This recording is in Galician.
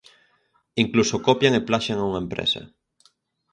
¡Incluso copian e plaxian a unha empresa!